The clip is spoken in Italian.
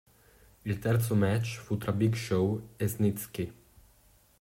Il terzo match fu tra Big Show e Snitsky.